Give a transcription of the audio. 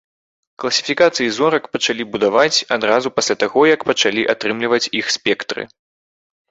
Класіфікацыі зорак пачалі будаваць адразу пасля таго, як пачалі атрымліваць іх спектры.